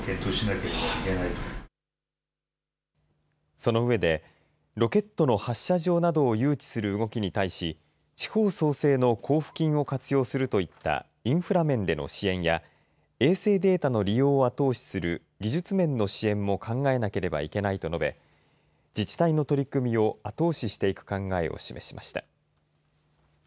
その上でロケットの発射場などを誘致する動きに対し地方創生の交付金を活用するといったインフラ面での支援や衛星データの利用を後押しする技術面の支援も考えなければいけないと述べ自治体の取り組みを後押ししていく考えを示しました。